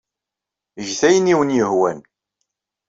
Get ayen ay awen-yehwan.